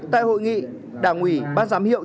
tại hội nghị đảng ủy bác giám hiệu